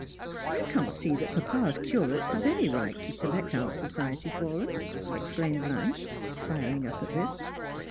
" i can't see that papa's curates have any right to select our society for us," exclaimed Blanche, tiring up at this.